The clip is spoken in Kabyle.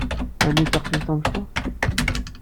Anne d taqcict tamecṭuḥt.